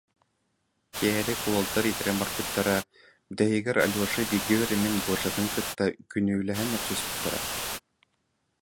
Киэһэлик уолаттар итирэн барбыттара, бүтэһигэр Алеша бииргэ үөрэммит Гошатын кытта күнүүлэһэн охсуспуттара